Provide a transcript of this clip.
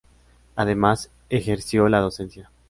Además ejerció la docencia.